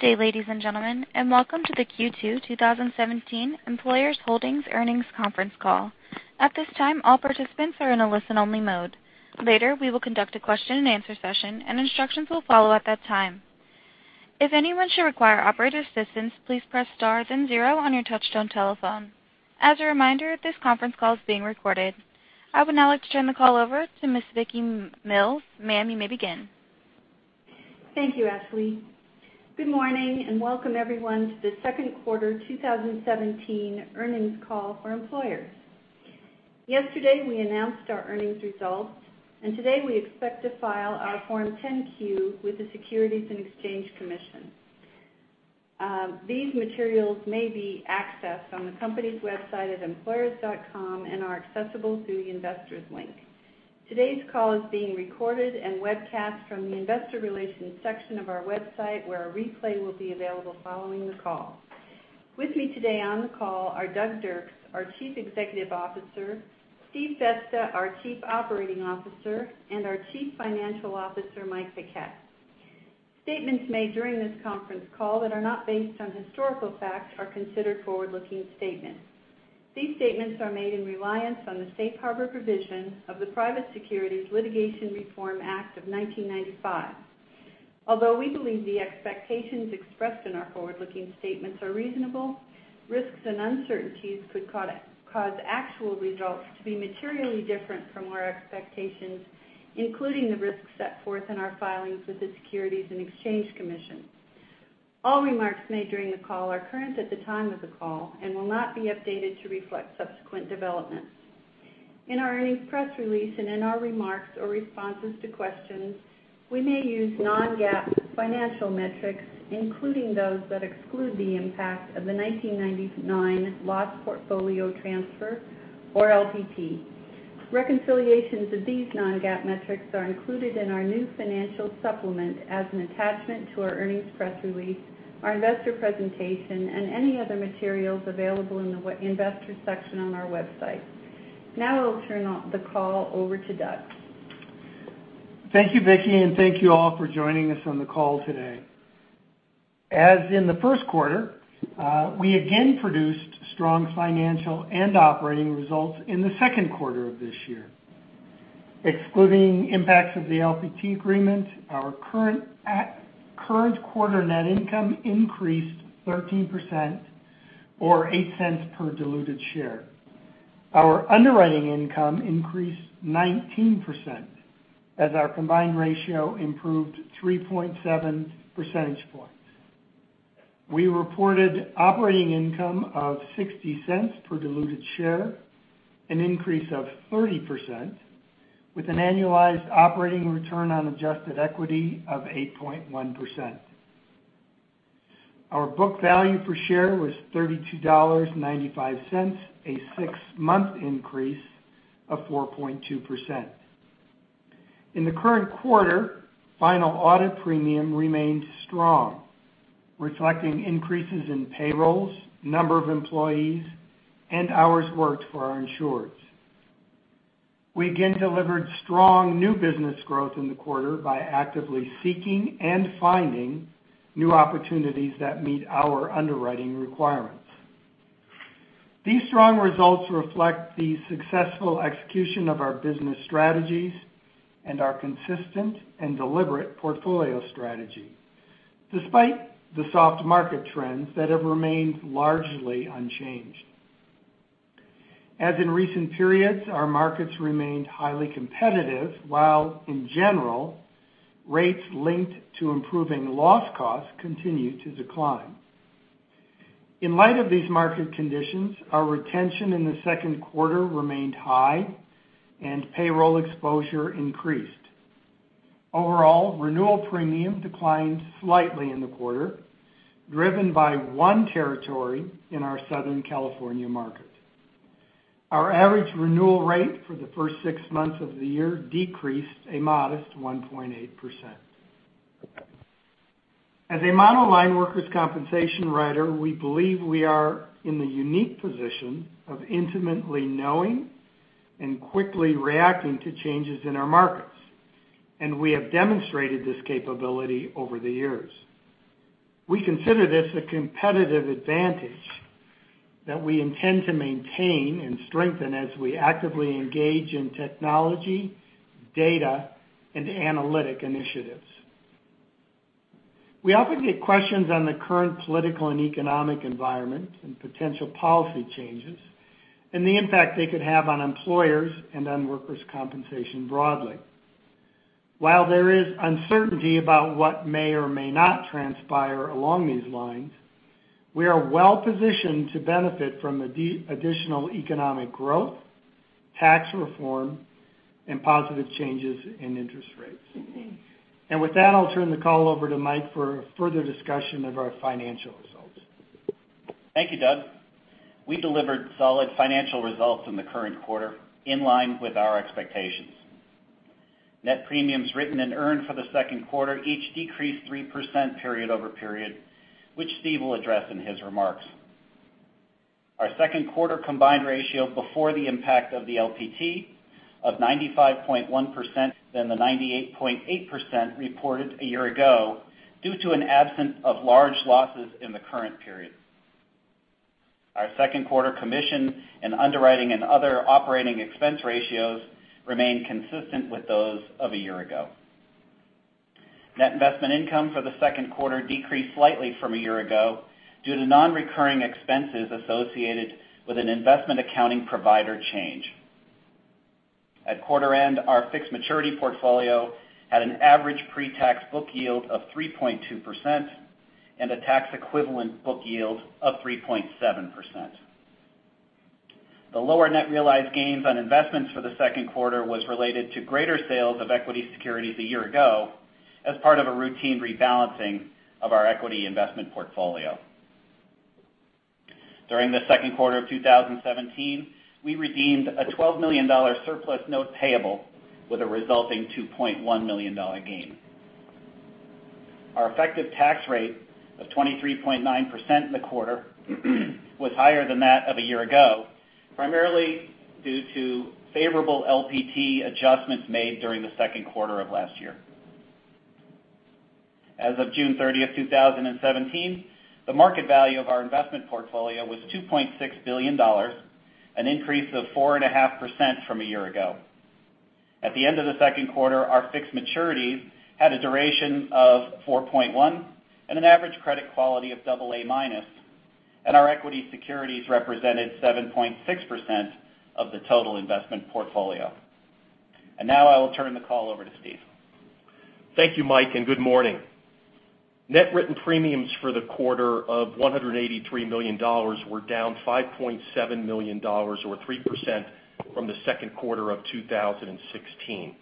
Good day, ladies and gentlemen, and welcome to the Q2 2017 Employers Holdings Earnings Conference Call. At this time, all participants are in a listen-only mode. Later, we will conduct a question and answer session, and instructions will follow at that time. If anyone should require operator assistance, please press star then zero on your touch-tone telephone. As a reminder, this conference call is being recorded. I would now like to turn the call over to Ms. Vicki Mills. Ma'am, you may begin. Thank you, Ashley. Good morning and welcome everyone to the second quarter 2017 earnings call for Employers. Yesterday, we announced our earnings results. Today we expect to file our Form 10-Q with the Securities and Exchange Commission. These materials may be accessed on the company's website at employers.com and are accessible through the Investors link. Today's call is being recorded and webcast from the investor relations section of our website, where a replay will be available following the call. With me today on the call are Doug Dirks, our Chief Executive Officer, Steve Festa, our Chief Operating Officer, and our Chief Financial Officer, Mike Paquette. Statements made during this conference call that are not based on historical facts are considered forward-looking statements. These statements are made in reliance on the safe harbor provisions of the Private Securities Litigation Reform Act of 1995. Although we believe the expectations expressed in our forward-looking statements are reasonable, risks and uncertainties could cause actual results to be materially different from our expectations, including the risks set forth in our filings with the Securities and Exchange Commission. All remarks made during the call are current at the time of the call and will not be updated to reflect subsequent developments. In our earnings press release and in our remarks or responses to questions, we may use non-GAAP financial metrics, including those that exclude the impact of the 1999 loss portfolio transfer, or LPT. Reconciliations of these non-GAAP metrics are included in our new financial supplement as an attachment to our earnings press release, our investor presentation, and any other materials available in the investor section on our website. Now I'll turn the call over to Doug. Thank you, Vicki, and thank you all for joining us on the call today. As in the first quarter, we again produced strong financial and operating results in the second quarter of this year. Excluding impacts of the LPT agreement, our current quarter net income increased 13% or $0.08 per diluted share. Our underwriting income increased 19%, as our combined ratio improved 3.7 percentage points. We reported operating income of $0.60 per diluted share, an increase of 30%, with an annualized operating return on adjusted equity of 8.1%. Our book value per share was $32.95, a six-month increase of 4.2%. In the current quarter, final audit premium remained strong, reflecting increases in payrolls, number of employees, and hours worked for our insureds. We again delivered strong new business growth in the quarter by actively seeking and finding new opportunities that meet our underwriting requirements. These strong results reflect the successful execution of our business strategies and our consistent and deliberate portfolio strategy, despite the soft market trends that have remained largely unchanged. As in recent periods, our markets remained highly competitive, while in general, rates linked to improving loss costs continued to decline. In light of these market conditions, our retention in the second quarter remained high and payroll exposure increased. Overall, renewal premium declined slightly in the quarter, driven by one territory in our Southern California market. Our average renewal rate for the first six months of the year decreased a modest 1.8%. As a monoline workers' compensation writer, we believe we are in the unique position of intimately knowing and quickly reacting to changes in our markets, and we have demonstrated this capability over the years. We consider this a competitive advantage that we intend to maintain and strengthen as we actively engage in technology, data, and analytic initiatives. We often get questions on the current political and economic environment and potential policy changes and the impact they could have on employers and on workers' compensation broadly. While there is uncertainty about what may or may not transpire along these lines, we are well-positioned to benefit from additional economic growth, tax reform, and positive changes in interest rates. With that, I'll turn the call over to Mike for further discussion of our financial results. Thank you, Doug. We delivered solid financial results in the current quarter in line with our expectations. Net premiums written and earned for the second quarter each decreased 3% period-over-period, which Steve will address in his remarks. Our second quarter combined ratio before the impact of the LPT of 95.1% than the 98.8% reported a year ago, due to an absence of large losses in the current period. Our second quarter commission and underwriting and other operating expense ratios remain consistent with those of a year ago. Net investment income for the second quarter decreased slightly from a year ago due to non-recurring expenses associated with an investment accounting provider change. At quarter end, our fixed maturity portfolio had an average pre-tax book yield of 3.2% and a tax equivalent book yield of 3.7%. The lower net realized gains on investments for the second quarter was related to greater sales of equity securities a year ago as part of a routine rebalancing of our equity investment portfolio. During the second quarter of 2017, we redeemed a $12 million surplus note payable with a resulting $2.1 million gain. Our effective tax rate of 23.9% in the quarter was higher than that of a year ago, primarily due to favorable LPT adjustments made during the second quarter of last year. As of June 30th, 2017, the market value of our investment portfolio was $2.6 billion, an increase of 4.5% from a year ago. At the end of the second quarter, our fixed maturities had a duration of 4.1 and an average credit quality of double A minus, and our equity securities represented 7.6% of the total investment portfolio. Now I will turn the call over to Steve. Thank you, Mike, and good morning. Net premiums written for the quarter of $183 million were down $5.7 million, or 3%, from the second quarter of 2016.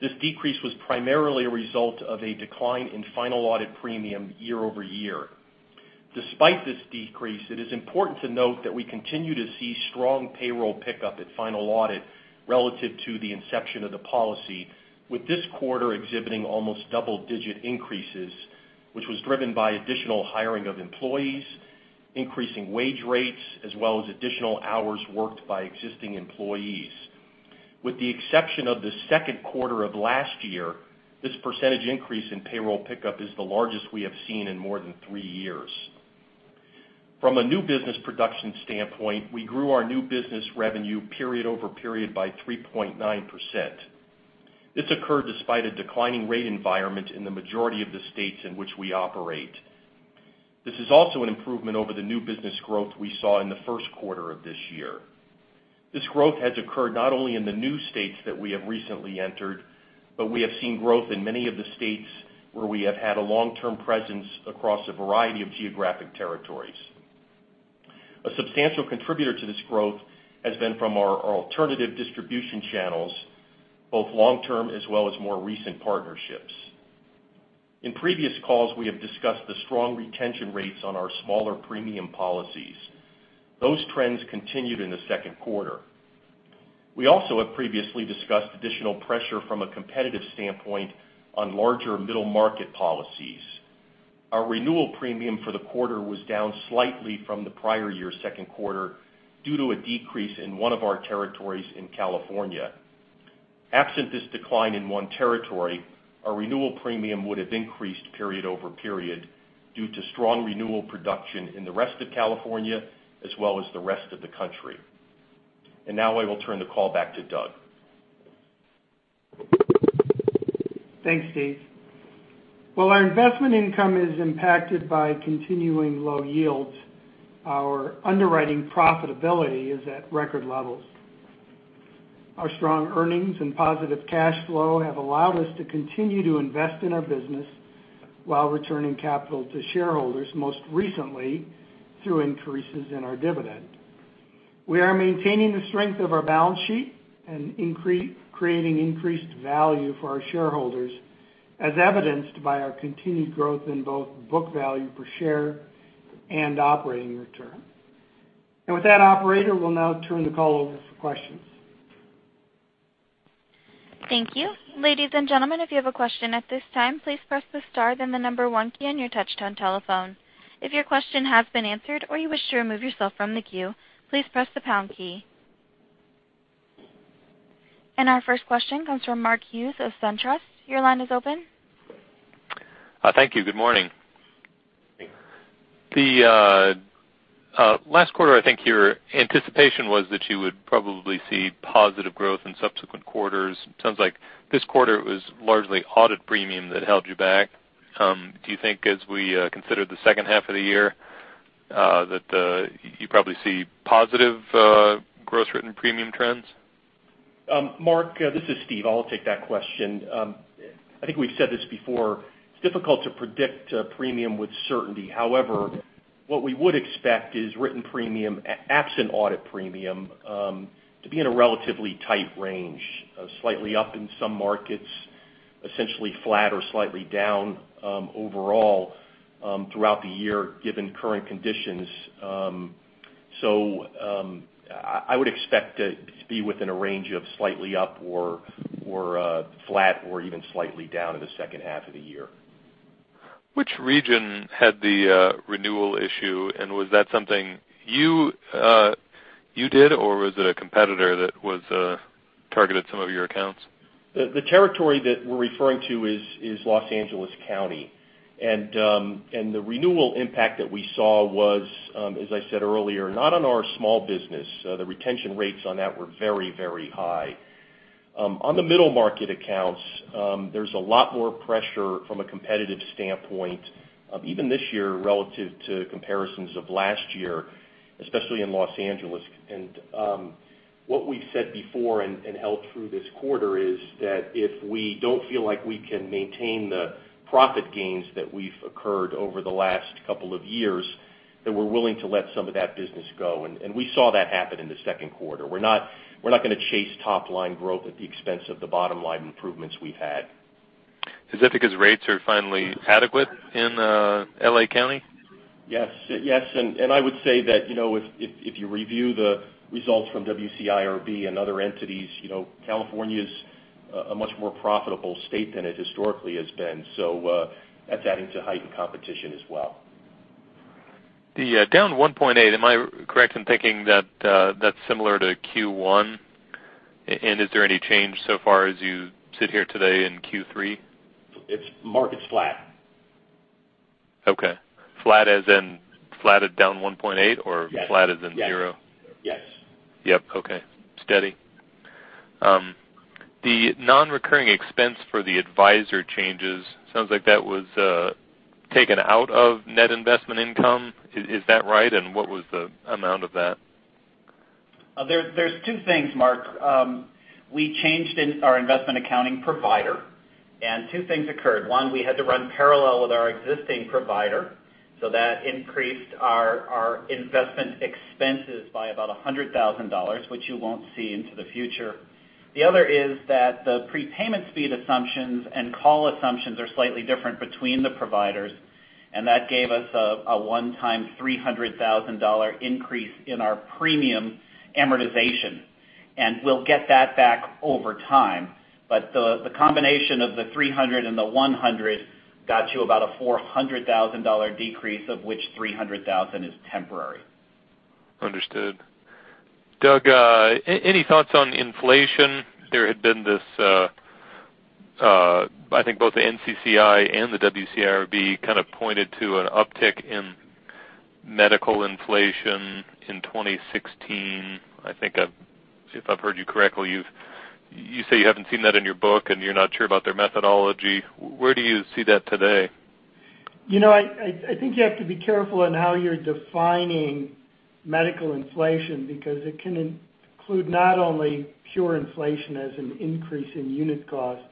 This decrease was primarily a result of a decline in final audit premium year-over-year. Despite this decrease, it is important to note that we continue to see strong payroll pickup at final audit relative to the inception of the policy, with this quarter exhibiting almost double-digit increases, which was driven by additional hiring of employees, increasing wage rates, as well as additional hours worked by existing employees. With the exception of the second quarter of last year, this percentage increase in payroll pickup is the largest we have seen in more than three years. From a new business production standpoint, we grew our new business revenue period-over-period by 3.9%. This occurred despite a declining rate environment in the majority of the states in which we operate. This is also an improvement over the new business growth we saw in the first quarter of this year. This growth has occurred not only in the new states that we have recently entered, but we have seen growth in many of the states where we have had a long-term presence across a variety of geographic territories. A substantial contributor to this growth has been from our alternative distribution channels, both long-term as well as more recent partnerships. In previous calls, we have discussed the strong retention rates on our smaller premium policies. Those trends continued in the second quarter. We also have previously discussed additional pressure from a competitive standpoint on larger middle-market policies. Our renewal premium for the quarter was down slightly from the prior year's second quarter due to a decrease in one of our territories in California. Absent this decline in one territory, our renewal premium would have increased period-over-period due to strong renewal production in the rest of California as well as the rest of the country. Now I will turn the call back to Doug. Thanks, Steve. While our investment income is impacted by continuing low yields, our underwriting profitability is at record levels. Our strong earnings and positive cash flow have allowed us to continue to invest in our business while returning capital to shareholders, most recently through increases in our dividend. We are maintaining the strength of our balance sheet and creating increased value for our shareholders, as evidenced by our continued growth in both book value per share and operating return. With that, operator, we'll now turn the call over for questions. Thank you. Ladies and gentlemen, if you have a question at this time, please press the star then the number one key on your touchtone telephone. If your question has been answered or you wish to remove yourself from the queue, please press the pound key. Our first question comes from Mark Hughes of SunTrust. Your line is open. Thank you. Good morning. The last quarter, I think your anticipation was that you would probably see positive growth in subsequent quarters. It sounds like this quarter was largely audit premium that held you back. Do you think as we consider the second half of the year, that you probably see positive gross written premium trends? Mark, this is Steve. I'll take that question. I think we've said this before, it's difficult to predict premium with certainty. However, what we would expect is written premium, absent audit premium, to be in a relatively tight range, slightly up in some markets, essentially flat or slightly down overall throughout the year, given current conditions. I would expect it to be within a range of slightly up or flat, or even slightly down in the second half of the year. Which region had the renewal issue, and was that something you did, or was it a competitor that targeted some of your accounts? The territory that we're referring to is Los Angeles County. The renewal impact that we saw was, as I said earlier, not on our small business. The retention rates on that were very high. On the middle market accounts, there's a lot more pressure from a competitive standpoint, even this year relative to comparisons of last year, especially in Los Angeles. What we've said before and held through this quarter is that if we don't feel like we can maintain the profit gains that we've occurred over the last couple of years, then we're willing to let some of that business go. We saw that happen in the second quarter. We're not going to chase top-line growth at the expense of the bottom-line improvements we've had. Is that because rates are finally adequate in L.A. County? Yes. I would say that if you review the results from WCIRB and other entities, California's a much more profitable state than it historically has been. That's adding to heightened competition as well. The down 1.8, am I correct in thinking that that's similar to Q1? Is there any change so far as you sit here today in Q3? It's market's flat. Okay. Flat as in flat at down 1.8 or Yes flat as in zero? Yes. Yep, okay. Steady. The non-recurring expense for the advisor changes, sounds like that was taken out of net investment income. Is that right? What was the amount of that? There's two things, Mark. We changed our investment accounting provider. Two things occurred. One, we had to run parallel with our existing provider. That increased our investment expenses by about $100,000, which you won't see into the future. The other is that the prepayment speed assumptions and call assumptions are slightly different between the providers. That gave us a one-time $300,000 increase in our premium amortization. We'll get that back over time. The combination of the 300 and the 100 got you about a $400,000 decrease, of which 300,000 is temporary. Understood. Doug, any thoughts on inflation? There had been this. I think both the NCCI and the WCIRB kind of pointed to an uptick in medical inflation in 2016. I think if I've heard you correctly, you say you haven't seen that in your book. You're not sure about their methodology. Where do you see that today? I think you have to be careful in how you're defining medical inflation, because it can include not only pure inflation as an increase in unit cost,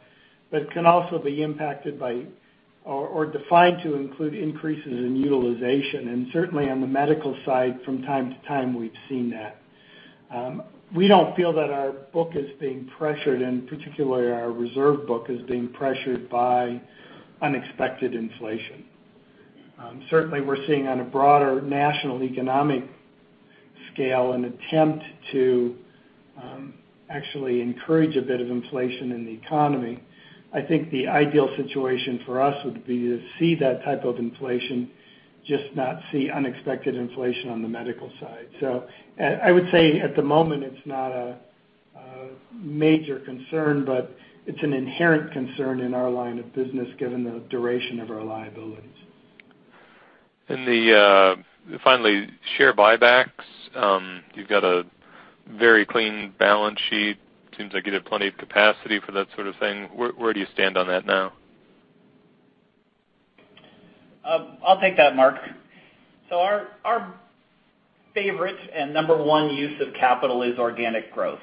but it can also be impacted by or defined to include increases in utilization. Certainly on the medical side, from time to time, we've seen that. We don't feel that our book is being pressured. Particularly our reserve book is being pressured by unexpected inflation. Certainly, we're seeing on a broader national economic scale an attempt to actually encourage a bit of inflation in the economy. I think the ideal situation for us would be to see that type of inflation, just not see unexpected inflation on the medical side. I would say at the moment it's not a major concern, but it's an inherent concern in our line of business given the duration of our liabilities. Finally, share buybacks. You've got a very clean balance sheet. Seems like you'd have plenty of capacity for that sort of thing. Where do you stand on that now? I'll take that, Mark. Our favorite and number one use of capital is organic growth.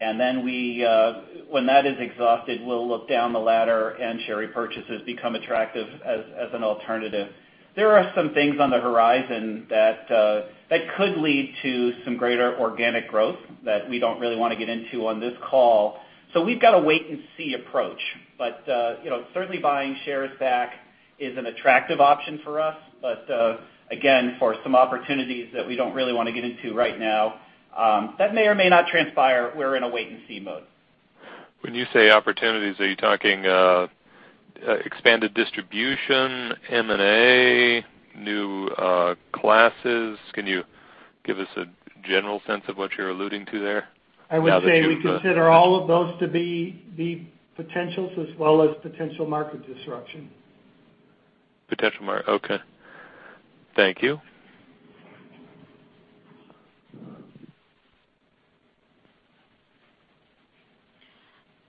When that is exhausted, we'll look down the ladder and share repurchases become attractive as an alternative. There are some things on the horizon that could lead to some greater organic growth that we don't really want to get into on this call. We've got a wait and see approach. Certainly buying shares back is an attractive option for us. Again, for some opportunities that we don't really want to get into right now, that may or may not transpire. We're in a wait and see mode. When you say opportunities, are you talking expanded distribution, M&A, new classes? Can you give us a general sense of what you're alluding to there? I would say we consider all of those to be potentials as well as potential market disruption. Potential market. Okay. Thank you.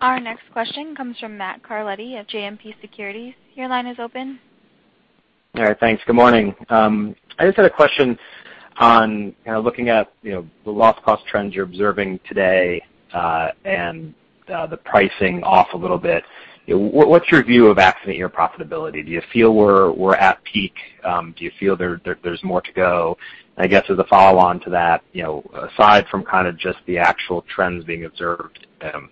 Our next question comes from Matthew Carletti at JMP Securities. Your line is open. All right. Thanks. Good morning. I just had a question on kind of looking at the loss cost trends you're observing today, and the pricing off a little bit. What's your view of accident year profitability? Do you feel we're at peak? Do you feel there's more to go? And I guess as a follow on to that, aside from kind of just the actual trends being observed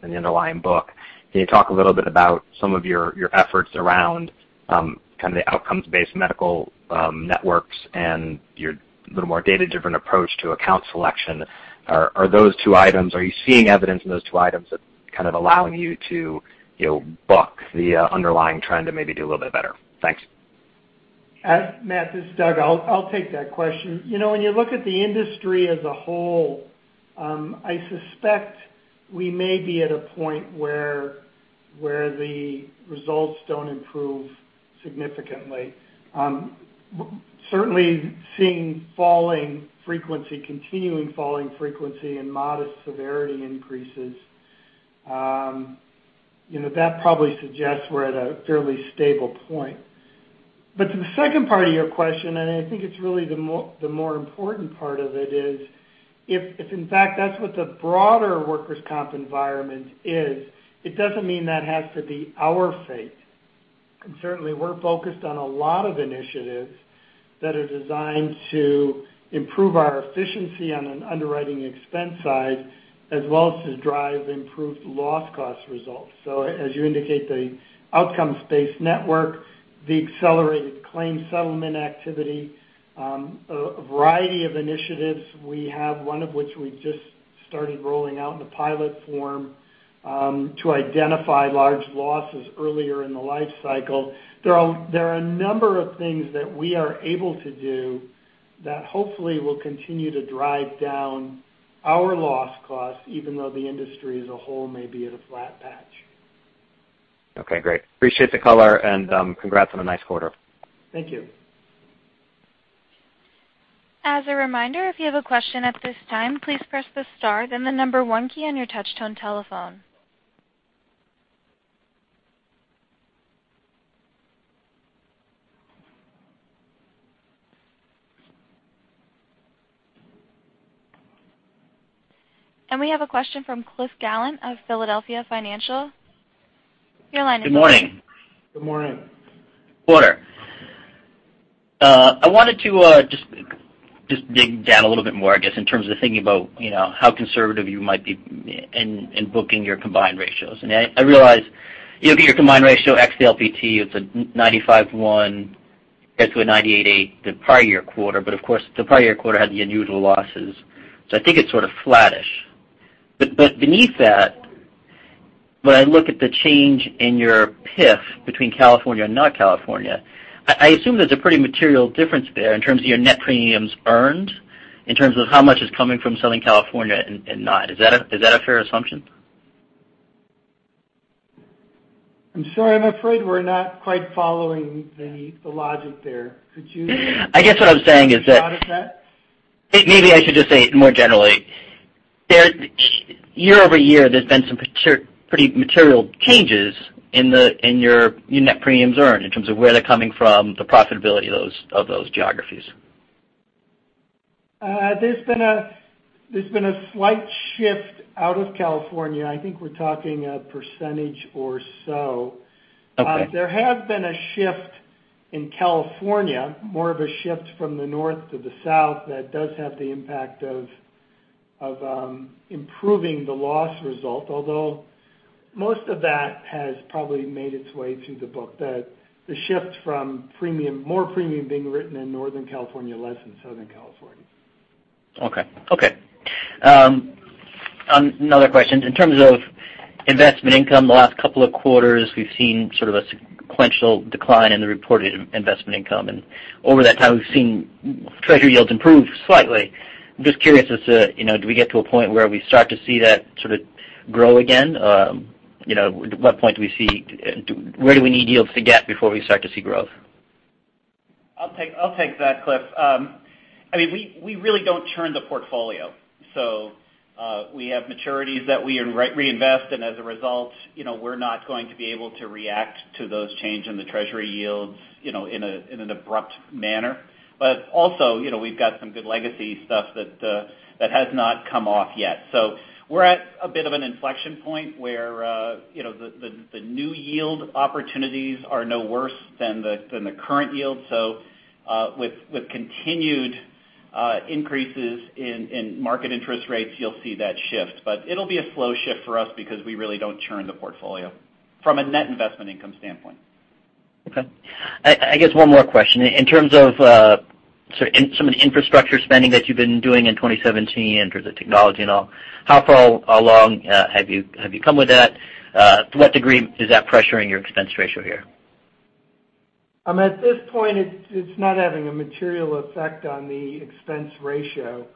in the line book. Can you talk a little bit about some of your efforts around kind of the outcomes-based medical networks and your little more data-driven approach to account selection? Are you seeing evidence in those two items that's kind of allowing you to book the underlying trend and maybe do a little bit better? Thanks. Matt, this is Doug. I'll take that question. When you look at the industry as a whole, I suspect we may be at a point where the results don't improve significantly. Certainly, seeing continuing falling frequency and modest severity increases, that probably suggests we're at a fairly stable point. To the second part of your question, and I think it's really the more important part of it is, if in fact that's what the broader workers' comp environment is, it doesn't mean that has to be our fate. Certainly, we're focused on a lot of initiatives that are designed to improve our efficiency on an underwriting expense side, as well as to drive improved loss cost results. As you indicate, the outcomes-based network, the accelerated claim settlement activity, a variety of initiatives we have, one of which we just started rolling out in the pilot form, to identify large losses earlier in the life cycle. There are a number of things that we are able to do that hopefully will continue to drive down our loss costs, even though the industry as a whole may be at a flat patch. Okay, great. Appreciate the color and congrats on a nice quarter. Thank you. As a reminder, if you have a question at this time, please press the star, then the number 1 key on your touchtone telephone. We have a question from Cliff Gallant of Philadelphia Financial. Your line is open. Good morning. Good morning. Quarter. I wanted to just dig down a little bit more, I guess, in terms of thinking about how conservative you might be in booking your combined ratios. I realize your combined ratio ex the LPT, it's a 95.1, compared to a 98.8 the prior year quarter. Of course, the prior year quarter had the unusual losses. I think it's sort of flattish. Beneath that, when I look at the change in your PIF between California and not California, I assume there's a pretty material difference there in terms of your net premiums earned, in terms of how much is coming from Southern California and not. Is that a fair assumption? I'm sorry. I'm afraid we're not quite following the logic there. Could you? I guess what I'm saying is that. Maybe I should just say it more generally. Year-over-year, there's been some pretty material changes in your net premiums earned, in terms of where they're coming from, the profitability of those geographies. There's been a slight shift out of California. I think we're talking a percentage or so. Okay. There has been a shift in California, more of a shift from the north to the south that does have the impact of improving the loss result. Most of that has probably made its way through the book. The shift from more premium being written in Northern California, less in Southern California. Okay. Another question. In terms of investment income, the last couple of quarters, we've seen sort of a sequential decline in the reported investment income. Over that time, we've seen Treasury yields improve slightly. I'm just curious as to, do we get to a point where we start to see that sort of grow again? Where do we need yields to get before we start to see growth? I'll take that, Cliff. We really don't churn the portfolio. We have maturities that we reinvest, and as a result, we're not going to be able to react to those change in the treasury yields in an abrupt manner. We've got some good legacy stuff that has not come off yet. We're at a bit of an inflection point where the new yield opportunities are no worse than the current yield. With continued increases in market interest rates, you'll see that shift. It'll be a slow shift for us because we really don't churn the portfolio from a net investment income standpoint. Okay. I guess one more question. In terms of some of the infrastructure spending that you've been doing in 2017, in terms of technology and all, how far along have you come with that? To what degree is that pressuring your expense ratio here? At this point, it's not having a material effect on the expense ratio.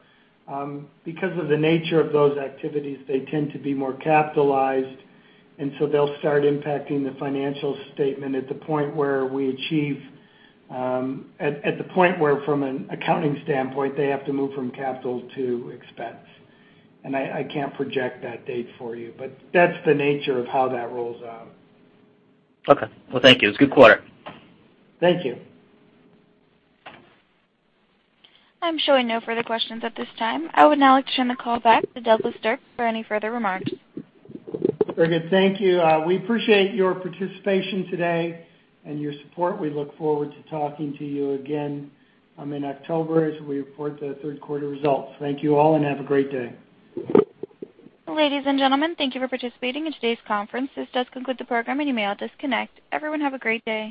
Because of the nature of those activities, they tend to be more capitalized, they'll start impacting the financial statement at the point where from an accounting standpoint, they have to move from capital to expense. I can't project that date for you, but that's the nature of how that rolls out. Okay. Thank you. It's a good quarter. Thank you. I'm showing no further questions at this time. I would now like to turn the call back to Douglas Dirks for any further remarks. Very good. Thank you. We appreciate your participation today and your support. We look forward to talking to you again in October as we report the third quarter results. Thank you all and have a great day. Ladies and gentlemen, thank you for participating in today's conference. This does conclude the program, and you may all disconnect. Everyone have a great day.